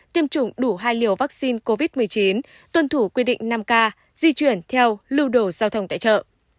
tiêm chủng đủ hai liều vaccine covid một mươi chín tuân thủ quy định năm k di chuyển theo lưu đồ giao thông tại chợ